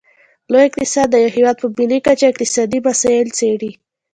لوی اقتصاد د یو هیواد په ملي کچه اقتصادي مسایل څیړي